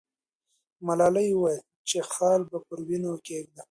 ملالۍ وویل چې خال به پر وینو کښېږدم.